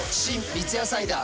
三ツ矢サイダー』